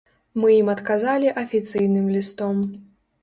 Мы ім адказалі афіцыйным лістом.